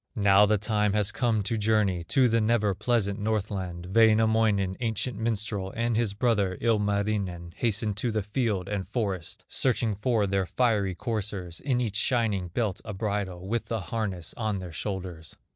Now the time has come to journey To the never pleasant Northland; Wainamoinen, ancient minstrel, And his brother, Ilmarinen, Hasten to the field and forest, Searching for their fiery coursers, In each shining belt a bridle, With a harness on their shoulders.